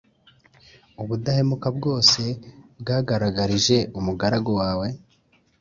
ubudahemuka bwose wagaragarije umugaragu wawe